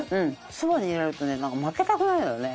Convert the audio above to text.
勝負になるとねなんか負けたくないのよね。